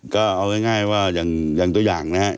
ก็เอาง่ายว่าอย่างตัวอย่างนะครับ